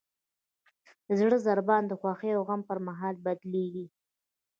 د زړه ضربان د خوښۍ او غم پر مهال بدلېږي.